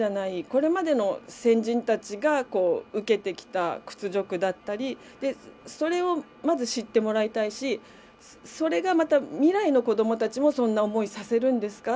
これまでの先人たちが受けてきた屈辱だったりそれをまず知ってもらいたいしそれがまた未来の子どもたちもそんな思いさせるんですか？